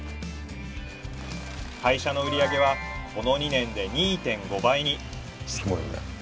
会社の売り上げはこの２年で２．５倍に。